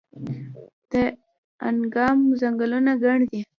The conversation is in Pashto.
د دانګام ځنګلونه ګڼ دي